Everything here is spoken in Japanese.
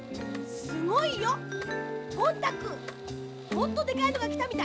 もっとでかいのがきたみたい。